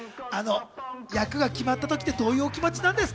役が決まった時、どういう気持ちなんですか？